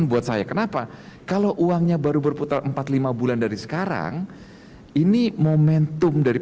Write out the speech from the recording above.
bedanya dictatoran dan dio